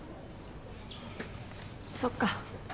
そっか。